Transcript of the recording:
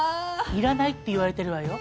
いらないって言われてるわよ？